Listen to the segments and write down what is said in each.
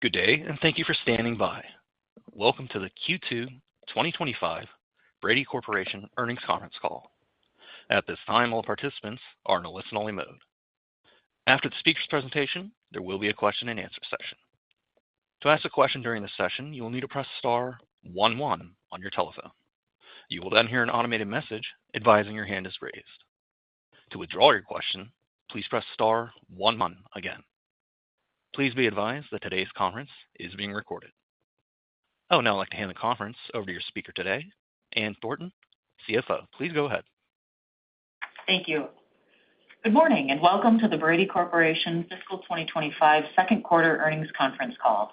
Good day, and thank you for standing by. Welcome to the Q2 2025 Brady Corporation earnings conference call. At this time, all participants are in a listen-only mode. After the speaker's presentation, there will be a question-and-answer session. To ask a question during this session, you will need to press star one one on your telephone. You will then hear an automated message advising your hand is raised. To withdraw your question, please press star one one again. Please be advised that today's conference is being recorded. Oh, and I'd like to hand the conference over to your speaker today, Ann Thornton, CFO. Please go ahead. Thank you. Good morning, and welcome to the Brady Corporation Fiscal 2025 Second Quarter earnings conference call.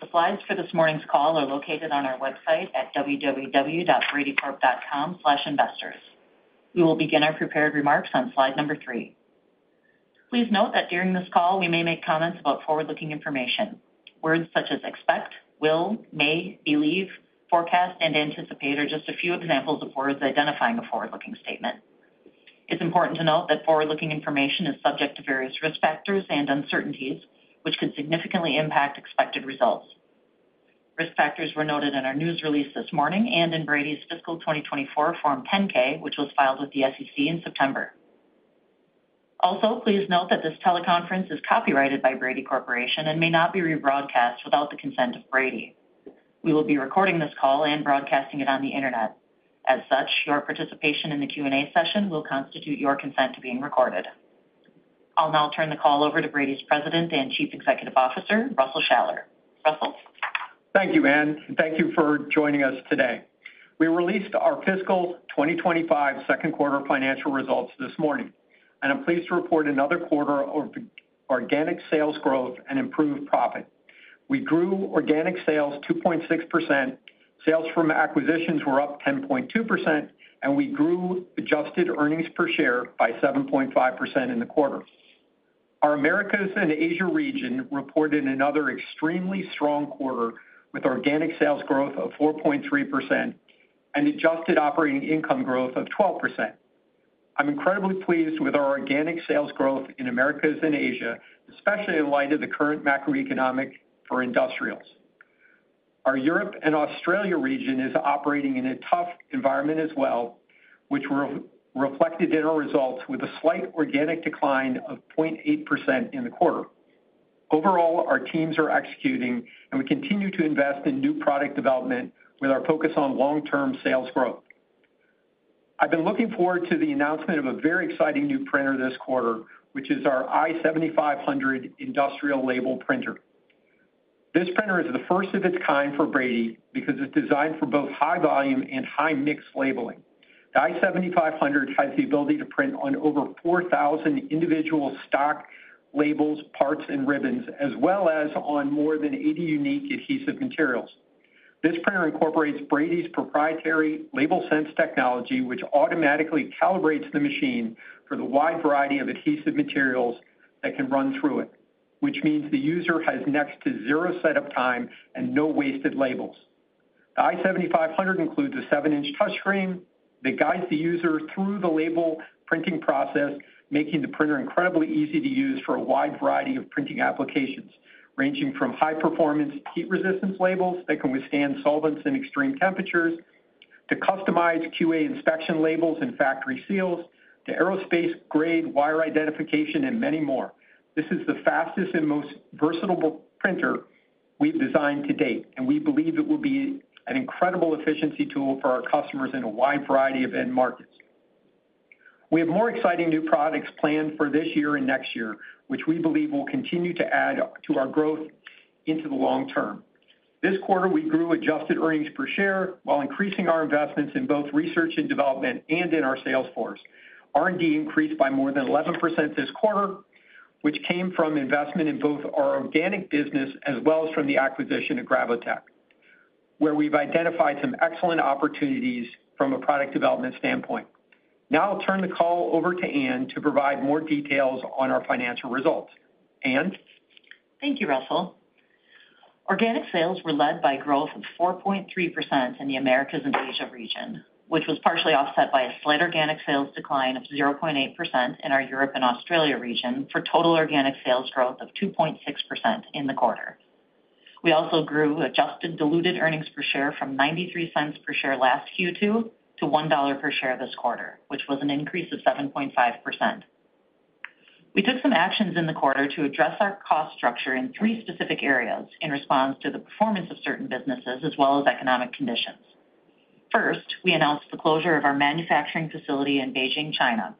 The slides for this morning's call are located on our website at www.bradycorp.com/investors. We will begin our prepared remarks on slide number three. Please note that during this call, we may make comments about forward-looking information. Words such as expect, will, may, believe, forecast, and anticipate are just a few examples of words identifying a forward-looking statement. It's important to note that forward-looking information is subject to various risk factors and uncertainties, which could significantly impact expected results. Risk factors were noted in our news release this morning and in Brady's Fiscal 2024 Form 10-K, which was filed with the SEC in September. Also, please note that this teleconference is copyrighted by Brady Corporation and may not be rebroadcast without the consent of Brady. We will be recording this call and broadcasting it on the internet. As such, your participation in the Q&A session will constitute your consent to being recorded. I'll now turn the call over to Brady's President and Chief Executive Officer, Russell Shaller. Russell. Thank you, Ann. Thank you for joining us today. We released our Fiscal 2025 Second Quarter financial results this morning, and I'm pleased to report another quarter of organic sales growth and improved profit. We grew organic sales 2.6%, sales from acquisitions were up 10.2%, and we grew adjusted earnings per share by 7.5% in the quarter. Our Americas and Asia region reported another extremely strong quarter with organic sales growth of 4.3% and adjusted operating income growth of 12%. I'm incredibly pleased with our organic sales growth in Americas and Asia, especially in light of the current macroeconomic for industrials. Our Europe and Australia region is operating in a tough environment as well, which reflected in our results with a slight organic decline of 0.8% in the quarter. Overall, our teams are executing, and we continue to invest in new product development with our focus on long-term sales growth. I've been looking forward to the announcement of a very exciting new printer this quarter, which is our i7500 industrial label printer. This printer is the first of its kind for Brady because it's designed for both high volume and high mix labeling. The i7500 has the ability to print on over 4,000 individual stock labels, parts, and ribbons, as well as on more than 80 unique adhesive materials. This printer incorporates Brady's proprietary LabelSense technology, which automatically calibrates the machine for the wide variety of adhesive materials that can run through it, which means the user has next to zero setup time and no wasted labels. The i7500 includes a seven-inch touchscreen that guides the user through the label printing process, making the printer incredibly easy to use for a wide variety of printing applications, ranging from high-performance heat-resistant labels that can withstand solvents in extreme temperatures to customized QA inspection labels and factory seals to aerospace-grade wire identification and many more. This is the fastest and most versatile printer we've designed to date, and we believe it will be an incredible efficiency tool for our customers in a wide variety of end markets. We have more exciting new products planned for this year and next year, which we believe will continue to add to our growth into the long term. This quarter, we grew adjusted earnings per share while increasing our investments in both research and development and in our sales force. R&D increased by more than 11% this quarter, which came from investment in both our organic business as well as from the acquisition of Gravotech, where we've identified some excellent opportunities from a product development standpoint. Now I'll turn the call over to Ann to provide more details on our financial results. Ann. Thank you, Russell. Organic sales were led by growth of 4.3% in the Americas and Asia region, which was partially offset by a slight organic sales decline of 0.8% in our Europe and Australia region for total organic sales growth of 2.6% in the quarter. We also grew adjusted diluted earnings per share from $0.93 per share last Q2 to $1 per share this quarter, which was an increase of 7.5%. We took some actions in the quarter to address our cost structure in three specific areas in response to the performance of certain businesses as well as economic conditions. First, we announced the closure of our manufacturing facility in Beijing, China.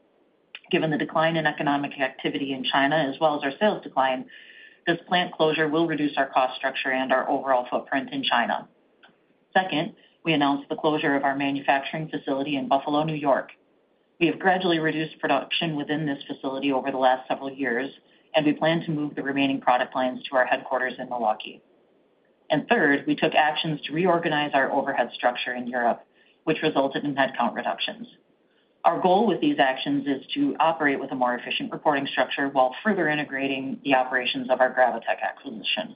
Given the decline in economic activity in China as well as our sales decline, this plant closure will reduce our cost structure and our overall footprint in China. Second, we announced the closure of our manufacturing facility in Buffalo, New York. We have gradually reduced production within this facility over the last several years, and we plan to move the remaining product lines to our headquarters in Milwaukee. Third, we took actions to reorganize our overhead structure in Europe, which resulted in headcount reductions. Our goal with these actions is to operate with a more efficient reporting structure while further integrating the operations of our Gravotech acquisition.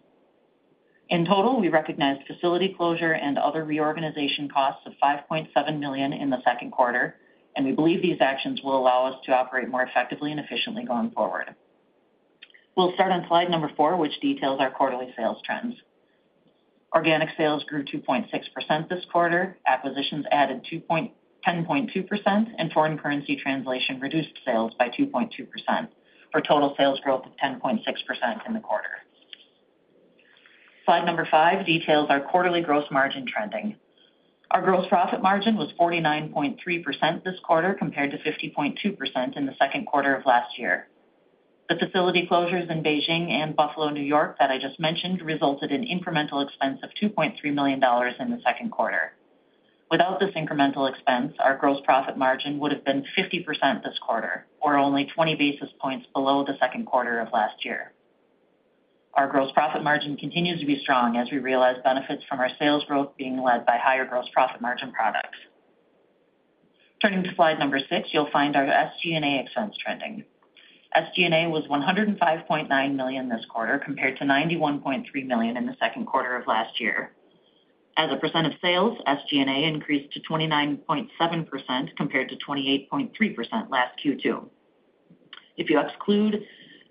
In total, we recognized facility closure and other reorganization costs of $5.7 million in the second quarter, and we believe these actions will allow us to operate more effectively and efficiently going forward. We'll start on slide number four, which details our quarterly sales trends. Organic sales grew 2.6% this quarter, acquisitions added 10.2%, and foreign currency translation reduced sales by 2.2% for total sales growth of 10.6% in the quarter. Slide number five details our quarterly gross margin trending. Our gross profit margin was 49.3% this quarter compared to 50.2% in the second quarter of last year. The facility closures in Beijing and Buffalo, New York, that I just mentioned, resulted in incremental expense of $2.3 million in the second quarter. Without this incremental expense, our gross profit margin would have been 50% this quarter, or only 20 basis points below the second quarter of last year. Our gross profit margin continues to be strong as we realize benefits from our sales growth being led by higher gross profit margin products. Turning to slide number six, you'll find our SG&A expense trending. SG&A was $105.9 million this quarter compared to $91.3 million in the second quarter of last year. As a percent of sales, SG&A increased to 29.7% compared to 28.3% last Q2. If you exclude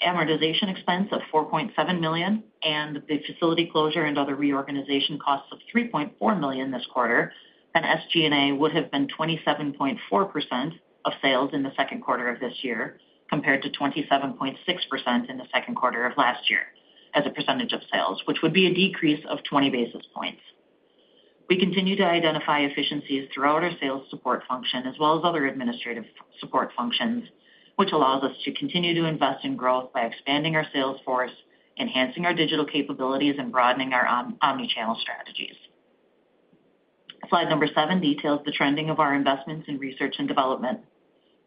amortization expense of $4.7 million and the facility closure and other reorganization costs of $3.4 million this quarter, then SG&A would have been 27.4% of sales in the second quarter of this year compared to 27.6% in the second quarter of last year as a percentage of sales, which would be a decrease of 20 basis points. We continue to identify efficiencies throughout our sales support function as well as other administrative support functions, which allows us to continue to invest in growth by expanding our sales force, enhancing our digital capabilities, and broadening our omnichannel strategies. Slide number seven details the trending of our investments in research and development.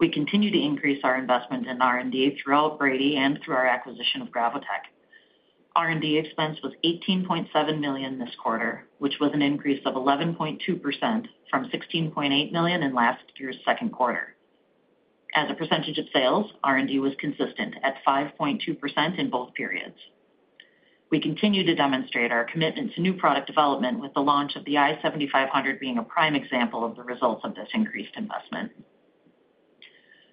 We continue to increase our investment in R&D throughout Brady and through our acquisition of Gravotech. R&D expense was $18.7 million this quarter, which was an increase of 11.2% from $16.8 million in last year's second quarter. As a percentage of sales, R&D was consistent at 5.2% in both periods. We continue to demonstrate our commitment to new product development, with the launch of the i7500 being a prime example of the results of this increased investment.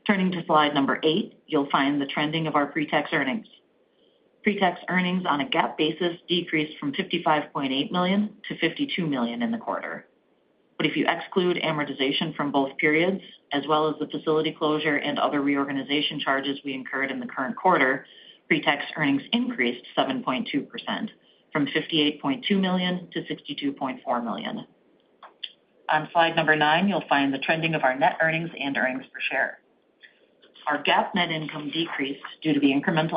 Turning to slide number eight, you'll find the trending of our pretax earnings. Pretax earnings on a GAAP basis decreased from $55.8 million-$52 million in the quarter. But if you exclude amortization from both periods as well as the facility closure and other reorganization charges we incurred in the current quarter, pretax earnings increased 7.2% from $58.2 million-$62.4 million. On slide number 9, you'll find the trending of our net earnings and earnings per share. Our GAAP net income decreased due to the incremental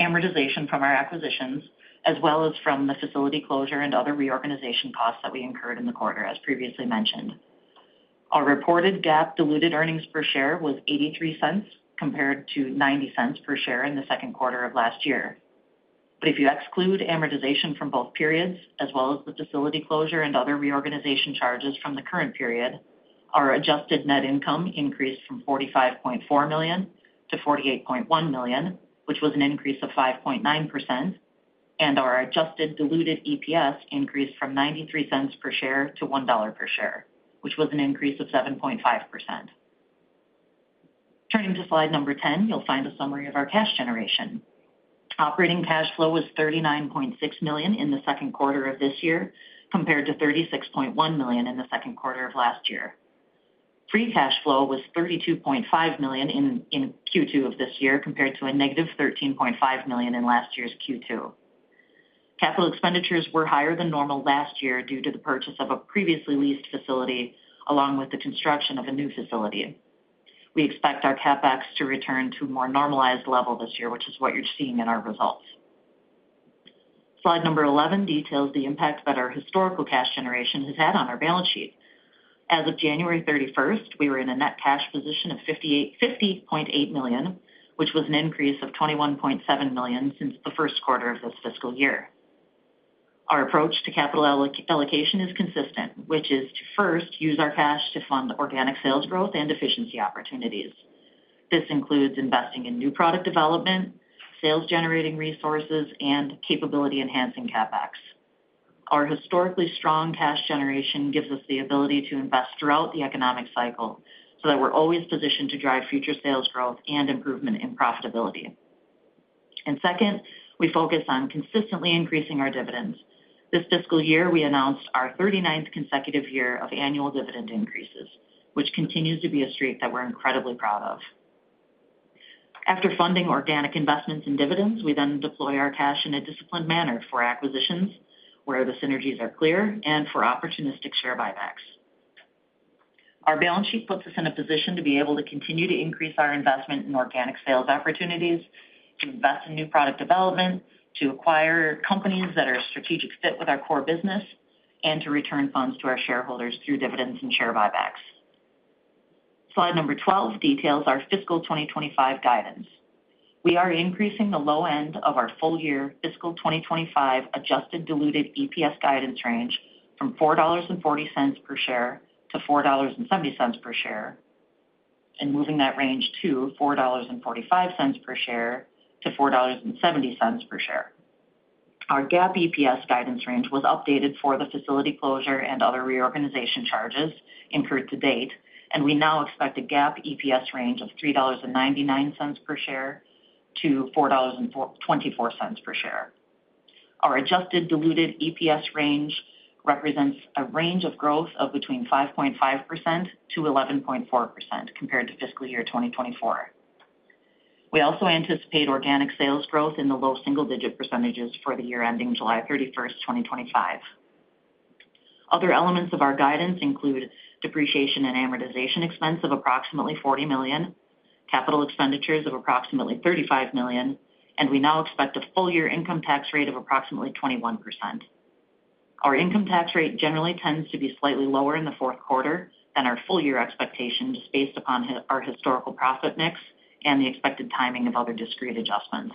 amortization from our acquisitions as well as from the facility closure and other reorganization costs that we incurred in the quarter, as previously mentioned. Our reported GAAP diluted earnings per share was $0.83 compared to $0.90 per share in the second quarter of last year. But if you exclude amortization from both periods as well as the facility closure and other reorganization charges from the current period, our adjusted net income increased from $45.4 million-$48.1 million, which was an increase of 5.9%, and our adjusted diluted EPS increased from $0.93 per share to $1 per share, which was an increase of 7.5%. Turning to slide number 10, you'll find a summary of our cash generation. Operating cash flow was $39.6 million in the second quarter of this year compared to $36.1 million in the second quarter of last year. Free cash flow was $32.5 million in Q2 of this year compared to a negative $13.5 million in last year's Q2. Capital expenditures were higher than normal last year due to the purchase of a previously leased facility along with the construction of a new facility. We expect our CapEx to return to a more normalized level this year, which is what you're seeing in our results. Slide number 11 details the impact that our historical cash generation has had on our balance sheet. As of January 31st, we were in a net cash position of $50.8 million, which was an increase of $21.7 million since the first quarter of this fiscal year. Our approach to capital allocation is consistent, which is to first use our cash to fund organic sales growth and efficiency opportunities. This includes investing in new product development, sales-generating resources, and capability-enhancing CapEx. Our historically strong cash generation gives us the ability to invest throughout the economic cycle so that we're always positioned to drive future sales growth and improvement in profitability. Second, we focus on consistently increasing our dividends. This fiscal year, we announced our 39th consecutive year of annual dividend increases, which continues to be a streak that we're incredibly proud of. After funding organic investments and dividends, we then deploy our cash in a disciplined manner for acquisitions where the synergies are clear and for opportunistic share buybacks. Our balance sheet puts us in a position to be able to continue to increase our investment in organic sales opportunities, to invest in new product development, to acquire companies that are a strategic fit with our core business, and to return funds to our shareholders through dividends and share buybacks. Slide number 12 details our fiscal 2025 guidance. We are increasing the low end of our full-year fiscal 2025 adjusted diluted EPS guidance range from $4.40-$4.70 per share and moving that range to $4.45-$4.70 per share. Our GAAP EPS guidance range was updated for the facility closure and other reorganization charges incurred to date, and we now expect a GAAP EPS range of $3.99-$4.24 per share. Our adjusted diluted EPS range represents a range of growth of between 5.5%-11.4% compared to fiscal year 2024. We also anticipate organic sales growth in the low single-digit percentages for the year ending July 31st, 2025. Other elements of our guidance include depreciation and amortization expense of approximately $40 million, capital expenditures of approximately $35 million, and we now expect a full-year income tax rate of approximately 21%. Our income tax rate generally tends to be slightly lower in the fourth quarter than our full-year expectations based upon our historical profit mix and the expected timing of other discrete adjustments.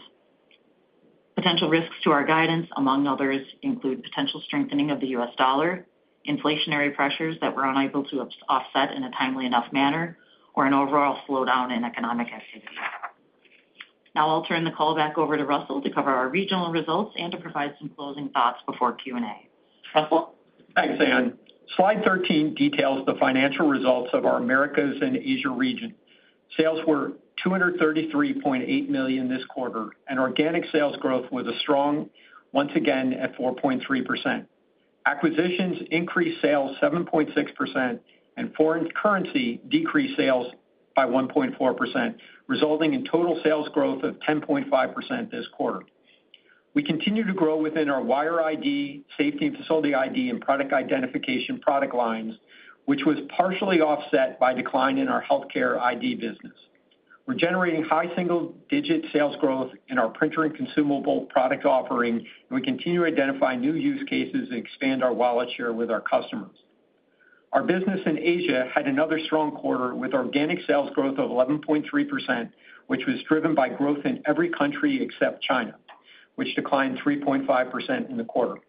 Potential risks to our guidance, among others, include potential strengthening of the U.S. dollar, inflationary pressures that we're unable to offset in a timely enough manner, or an overall slowdown in economic activity. Now I'll turn the call back over to Russell to cover our regional results and to provide some closing thoughts before Q&A. Russell. Thanks, Ann. Slide 13 details the financial results of our Americas and Asia region. Sales were $233.8 million this quarter, and organic sales growth was strong, once again at 4.3%. Acquisitions increased sales 7.6%, and foreign currency decreased sales by 1.4%, resulting in total sales growth of 10.5% this quarter. We continue to grow within our wire ID, safety and facility ID, and product identification product lines, which was partially offset by a decline in our healthcare ID business. We're generating high single-digit sales growth in our printer and consumable product offering, and we continue to identify new use cases and expand our wallet share with our customers. Our business in Asia had another strong quarter with organic sales growth of 11.3%, which was driven by growth in every country except China, which declined 3.5% in the quarter.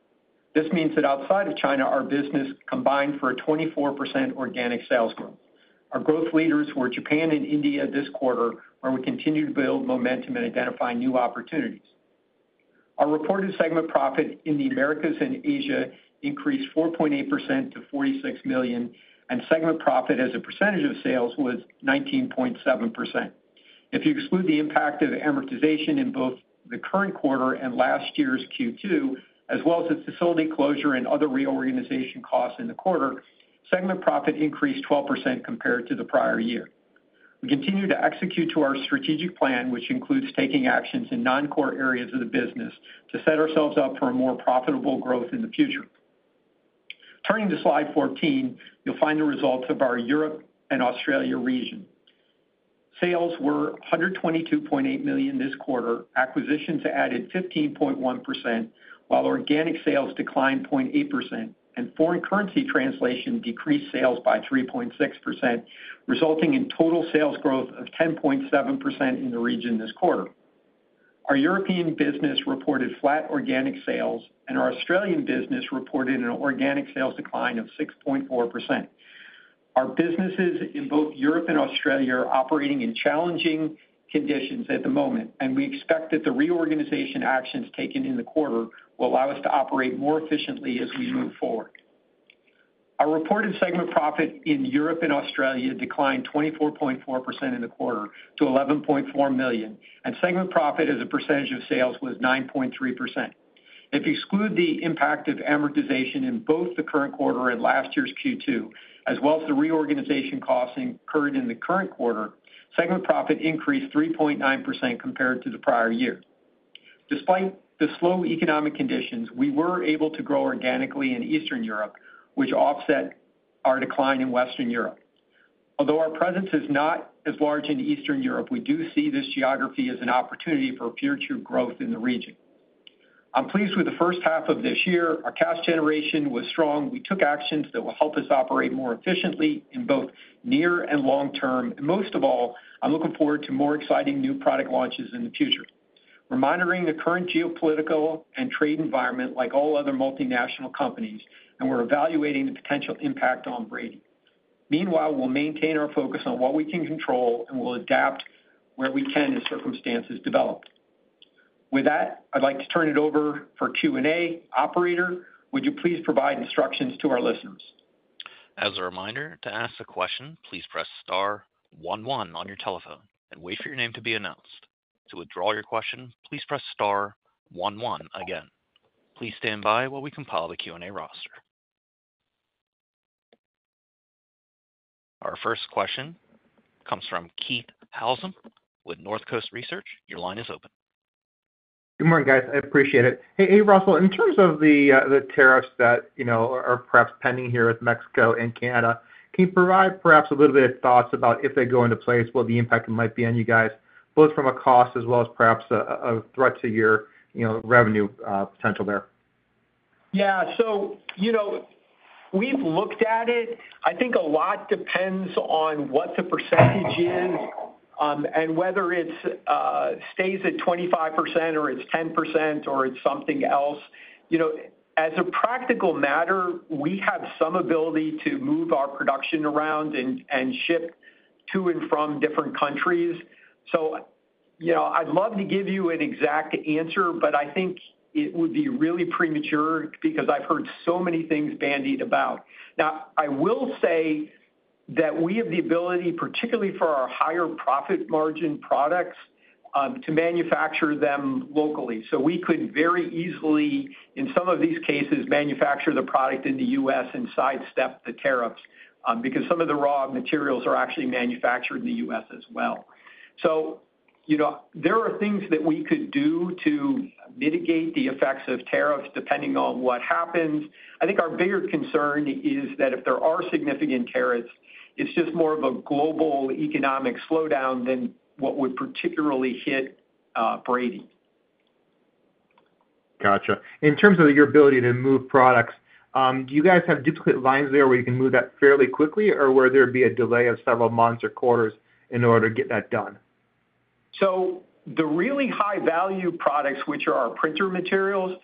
This means that outside of China, our business combined for a 24% organic sales growth. Our growth leaders were Japan and India this quarter, where we continue to build momentum and identify new opportunities. Our reported segment profit in the Americas and Asia increased 4.8%-$46 million, and segment profit as a percentage of sales was 19.7%. If you exclude the impact of amortization in both the current quarter and last year's Q2, as well as the facility closure and other reorganization costs in the quarter, segment profit increased 12% compared to the prior year. We continue to execute our strategic plan, which includes taking actions in non-core areas of the business to set ourselves up for more profitable growth in the future. Turning to slide 14, you'll find the results of our Europe and Australia region. Sales were $122.8 million this quarter, acquisitions added 15.1%, while organic sales declined 0.8%, and foreign currency translation decreased sales by 3.6%, resulting in total sales growth of 10.7% in the region this quarter. Our European business reported flat organic sales, and our Australian business reported an organic sales decline of 6.4%. Our businesses in both Europe and Australia are operating in challenging conditions at the moment, and we expect that the reorganization actions taken in the quarter will allow us to operate more efficiently as we move forward. Our reported segment profit in Europe and Australia declined 24.4% in the quarter to $11.4 million, and segment profit as a percentage of sales was 9.3%. If you exclude the impact of amortization in both the current quarter and last year's Q2, as well as the reorganization costs incurred in the current quarter, segment profit increased 3.9% compared to the prior year. Despite the slow economic conditions, we were able to grow organically in Eastern Europe, which offset our decline in Western Europe. Although our presence is not as large in Eastern Europe, we do see this geography as an opportunity for future growth in the region. I'm pleased with the first half of this year. Our cash generation was strong. We took actions that will help us operate more efficiently in both near and long term, and most of all, I'm looking forward to more exciting new product launches in the future. We're monitoring the current geopolitical and trade environment like all other multinational companies, and we're evaluating the potential impact on Brady. Meanwhile, we'll maintain our focus on what we can control, and we'll adapt where we can as circumstances develop. With that, I'd like to turn it over for Q&A. Operator, would you please provide instructions to our listeners? As a reminder, to ask a question, please press star one one on your telephone and wait for your name to be announced. To withdraw your question, please press star one one again. Please stand by while we compile the Q&A roster. Our first question comes from Keith Housum with North Coast Research. Your line is open. Good morning, guys. I appreciate it. Hey, Russell, in terms of the tariffs that are perhaps pending here with Mexico and Canada, can you provide perhaps a little bit of thoughts about if they go into place, what the impact might be on you guys, both from a cost as well as perhaps a threat to your revenue potential there? Yeah. So we've looked at it. I think a lot depends on what the percentage is and whether it stays at 25% or it's 10% or it's something else. As a practical matter, we have some ability to move our production around and ship to and from different countries. So I'd love to give you an exact answer, but I think it would be really premature because I've heard so many things bandied about. Now, I will say that we have the ability, particularly for our higher profit margin products, to manufacture them locally. So we could very easily, in some of these cases, manufacture the product in the U.S. and sidestep the tariffs because some of the raw materials are actually manufactured in the U.S. as well. So there are things that we could do to mitigate the effects of tariffs depending on what happens. I think our bigger concern is that if there are significant tariffs, it's just more of a global economic slowdown than what would particularly hit Brady. Gotcha. In terms of your ability to move products, do you guys have duplicate lines there where you can move that fairly quickly, or would there be a delay of several months or quarters in order to get that done? So the really high-value products, which are our printer materials,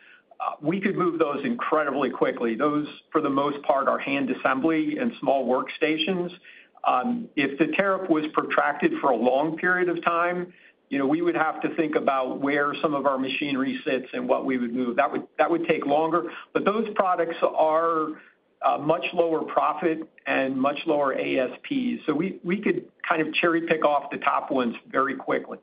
we could move those incredibly quickly. Those, for the most part, are hand assembly and small workstations. If the tariff was protracted for a long period of time, we would have to think about where some of our machinery sits and what we would move. That would take longer. But those products are much lower profit and much lower ASPs. So we could kind of cherry-pick off the top ones very quickly.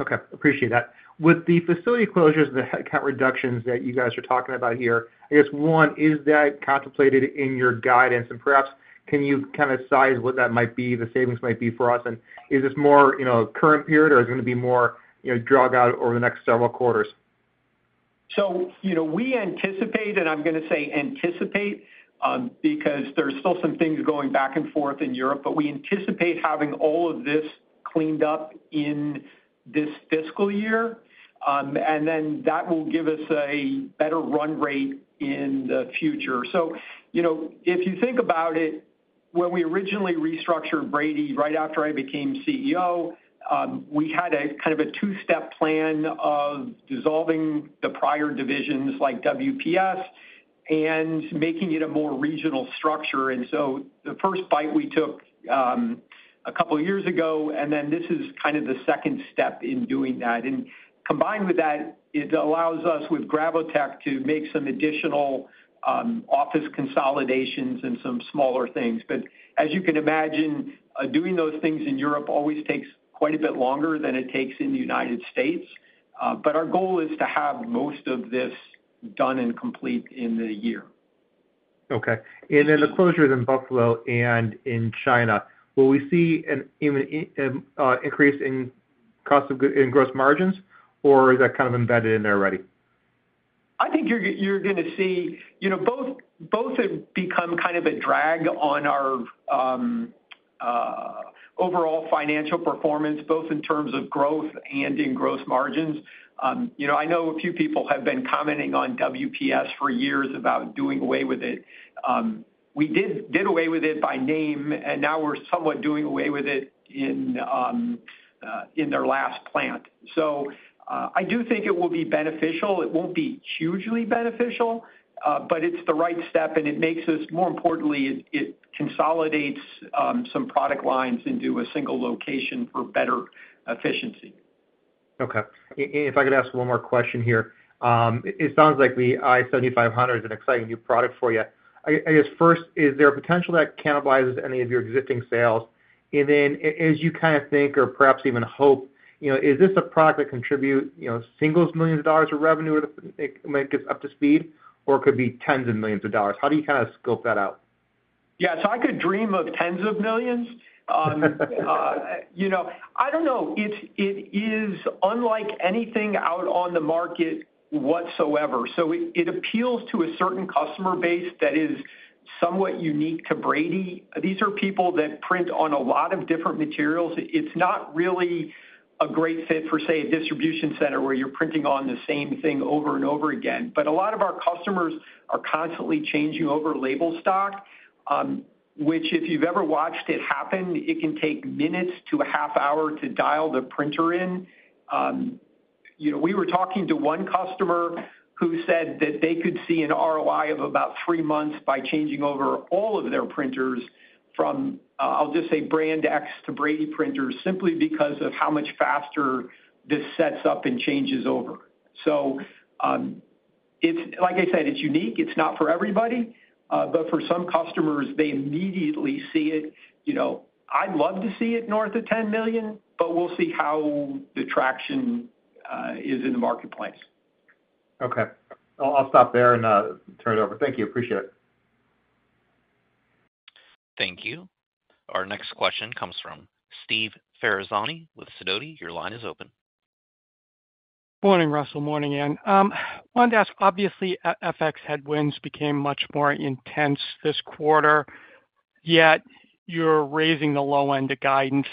Okay. Appreciate that. With the facility closures and the headcount reductions that you guys are talking about here, I guess, one, is that contemplated in your guidance, and perhaps, can you kind of size what that might be, the savings might be for us? Is this more current period, or is it going to be more drag out over the next several quarters? We anticipate, and I'm going to say anticipate because there's still some things going back and forth in Europe, but we anticipate having all of this cleaned up in this fiscal year, and then that will give us a better run rate in the future. If you think about it, when we originally restructured Brady right after I became CEO, we had a kind of a two-step plan of dissolving the prior divisions like WPS and making it a more regional structure. The first bite we took a couple of years ago, and then this is kind of the second step in doing that. Combined with that, it allows us with Gravotech to make some additional office consolidations and some smaller things. As you can imagine, doing those things in Europe always takes quite a bit longer than it takes in the United States, but our goal is to have most of this done and complete in the year. Okay. Then the closures in Buffalo and in China, will we see an increase in gross margins, or is that kind of embedded in there already? I think you're going to see both become kind of a drag on our overall financial performance, both in terms of growth and in gross margins. I know a few people have been commenting on WPS for years about doing away with it. We did away with it by name, and now we're somewhat doing away with it in their last plant. So I do think it will be beneficial. It won't be hugely beneficial, but it's the right step, and it makes us, more importantly, it consolidates some product lines into a single location for better efficiency. Okay. If I could ask one more question here. It sounds like the i7500 is an exciting new product for you. I guess, first, is there a potential that cannibalizes any of your existing sales? Then as you kind of think or perhaps even hope, is this a product that can contribute singles millions of dollars of revenue when it gets up to speed, or could be tens of millions of dollars? How do you kind of scope that out? Yeah. So I could dream of tens of millions. I don't know. It is unlike anything out on the market whatsoever. So it appeals to a certain customer base that is somewhat unique to Brady. These are people that print on a lot of different materials. It's not really a great fit for, say, a distribution center where you're printing on the same thing over and over again. But a lot of our customers are constantly changing over label stock, which, if you've ever watched it happen, it can take minutes to a half hour to dial the printer in. We were talking to one customer who said that they could see an ROI of about three months by changing over all of their printers from, I'll just say, brand X to Brady printers, simply because of how much faster this sets up and changes over. So like I said, it's unique. It's not for everybody, but for some customers, they immediately see it. I'd love to see it north of 10 million, but we'll see how the traction is in the marketplace. Okay. I'll stop there and turn it over. Thank you. Appreciate it. Thank you. Our next question comes from Steve Ferazani with Sidoti. Your line is open. Morning, Russell. Morning, Ann. Wanted to ask, obviously, FX headwinds became much more intense this quarter, yet you're raising the low-end to guidance.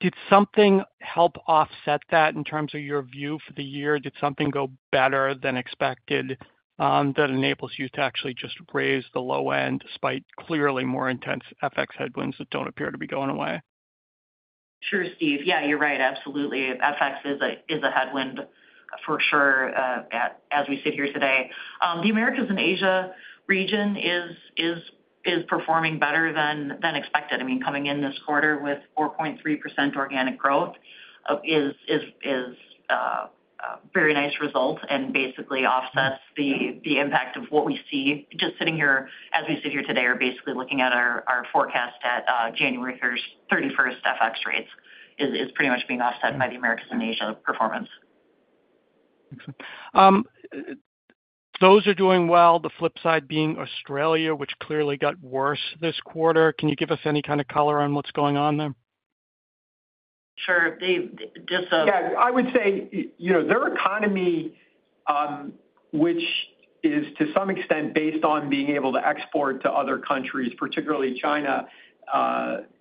Did something help offset that in terms of your view for the year? Did something go better than expected that enables you to actually just raise the low end despite clearly more intense FX headwinds that don't appear to be going away? Sure, Steve. Yeah, you're right. Absolutely. FX is a headwind for sure as we sit here today. The Americas and Asia region is performing better than expected. I mean, coming in this quarter with 4.3% organic growth is a very nice result and basically offsets the impact of what we see. Just sitting here as we sit here today, we're basically looking at our forecast at January 31st FX rates is pretty much being offset by the Americas and Asia performance. Excellent. Those are doing well. The flip side being Australia, which clearly got worse this quarter. Can you give us any kind of color on what's going on there? Sure. Just a- Yeah. I would say their economy, which is to some extent based on being able to export to other countries, particularly China,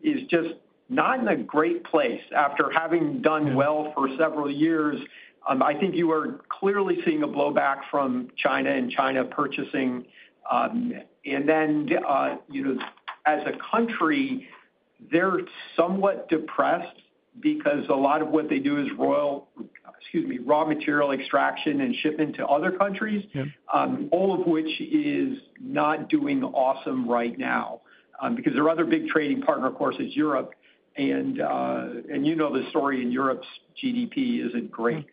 is just not in a great place after having done well for several years. I think you are clearly seeing a blowback from China and China purchasing. Then as a country, they're somewhat depressed because a lot of what they do is raw material extraction and shipment to other countries, all of which is not doing awesome right now because their other big trading partner, of course, is Europe and you know the story in Europe's GDP isn't great.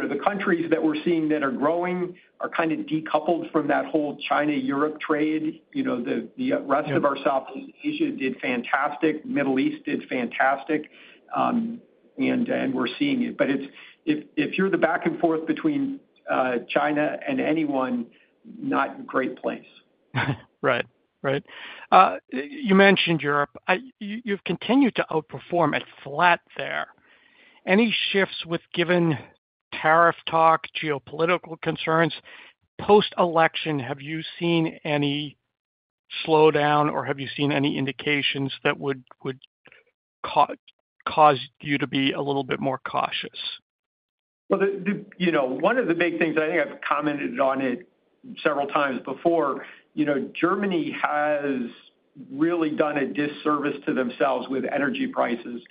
But the countries that we're seeing that are growing are kind of decoupled from that whole China-Europe trade. The rest of our Southeast Asia did fantastic. The Middle East did fantastic, and we're seeing it. But if you're back and forth between China and anywhere, not a great place. Right. Right. You mentioned Europe. You've continued to outperform at flat there. Any shifts with given tariff talk, geopolitical concerns? Post-election, have you seen any slowdown, or have you seen any indications that would cause you to be a little bit more cautious? One of the big things I think I've commented on it several times before. Germany has really done a disservice to themselves with energy prices,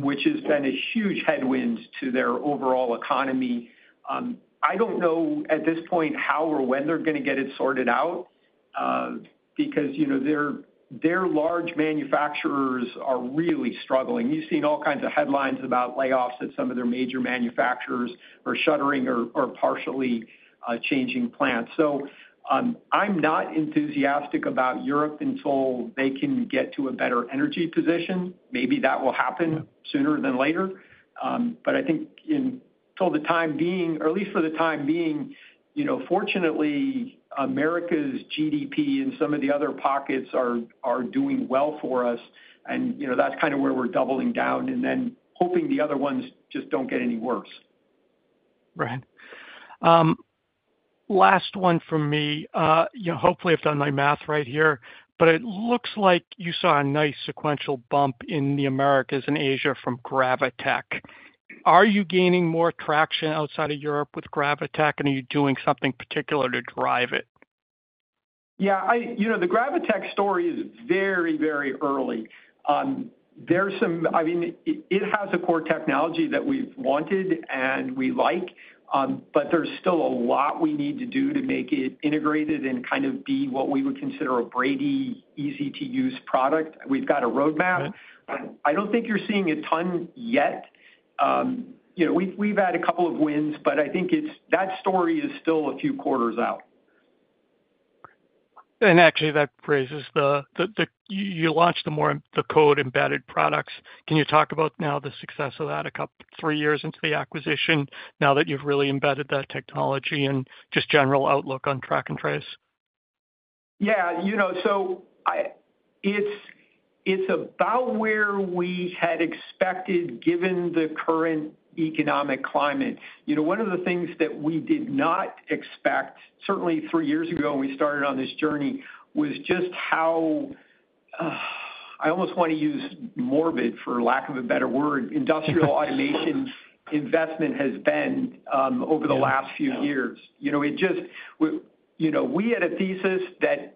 which has been a huge headwind to their overall economy. I don't know at this point how or when they're going to get it sorted out because their large manufacturers are really struggling. You've seen all kinds of headlines about layoffs at some of their major manufacturers or shuttering or partially changing plants. So I'm not enthusiastic about Europe until they can get to a better energy position. Maybe that will happen sooner than later. But I think until the time being, or at least for the time being, fortunately, America's GDP and some of the other pockets are doing well for us, and that's kind of where we're doubling down and then hoping the other ones just don't get any worse. Right. Last one from me. Hopefully, I've done my math right here, but it looks like you saw a nice sequential bump in the Americas and Asia from Gravotech. Are you gaining more traction outside of Europe with Gravotech, and are you doing something particular to drive it? Yeah. The Gravotech story is very, very early. I mean, it has a core technology that we've wanted and we like, but there's still a lot we need to do to make it integrated and kind of be what we would consider a Brady easy-to-use product. We've got a roadmap. I don't think you're seeing a ton yet. We've had a couple of wins, but I think that story is still a few quarters out. Actually, that raises the you launched the Code-embedded products. Can you talk about now the success of that three years into the acquisition now that you've really embedded that technology and just general outlook on track and trace? Yeah. So it's about where we had expected given the current economic climate. One of the things that we did not expect, certainly three years ago when we started on this journey, was just how I almost want to use morbid for lack of a better word, industrial automation investment has been over the last few years. We had a thesis that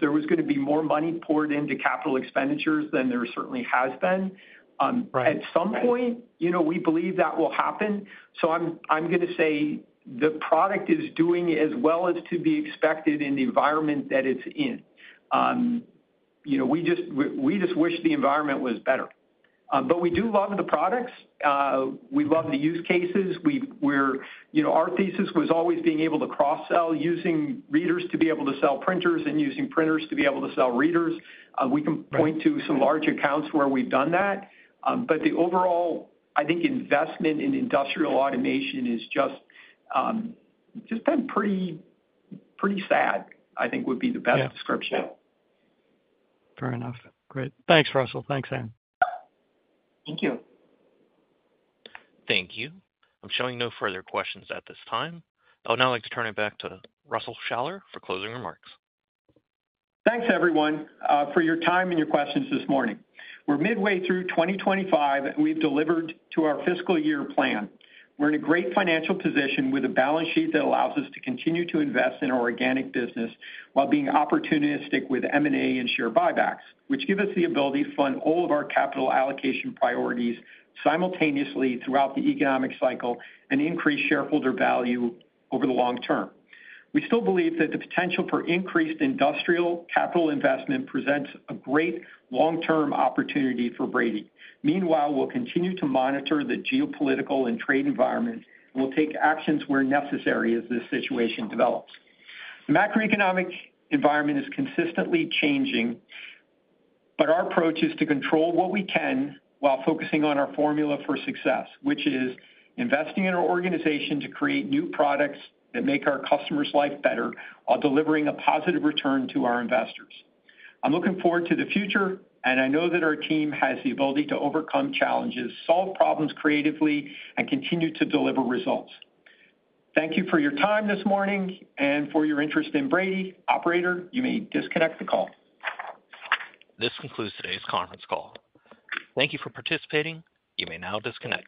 there was going to be more money poured into capital expenditures than there certainly has been. At some point, we believe that will happen. So I'm going to say the product is doing as well as to be expected in the environment that it's in. We just wish the environment was better. But we do love the products. We love the use cases. Our thesis was always being able to cross-sell using readers to be able to sell printers and using printers to be able to sell readers. We can point to some large accounts where we've done that. But the overall, I think, investment in industrial automation has just been pretty sad, I think, would be the best description. Fair enough. Great. Thanks, Russell. Thanks, Ann. Thank you. Thank you. I'm showing no further questions at this time. I would now like to turn it back to Russell Shaller for closing remarks. Thanks, everyone, for your time and your questions this morning. We're midway through 2025, and we've delivered to our fiscal year plan. We're in a great financial position with a balance sheet that allows us to continue to invest in our organic business while being opportunistic with M&A and share buybacks, which give us the ability to fund all of our capital allocation priorities simultaneously throughout the economic cycle and increase shareholder value over the long term. We still believe that the potential for increased industrial capital investment presents a great long-term opportunity for Brady. Meanwhile, we'll continue to monitor the geopolitical and trade environment, and we'll take actions where necessary as this situation develops. The macroeconomic environment is consistently changing, but our approach is to control what we can while focusing on our formula for success, which is investing in our organization to create new products that make our customers' life better while delivering a positive return to our investors. I'm looking forward to the future, and I know that our team has the ability to overcome challenges, solve problems creatively, and continue to deliver results. Thank you for your time this morning and for your interest in Brady. Operator, you may disconnect the call. This concludes today's conference call. Thank you for participating. You may now disconnect.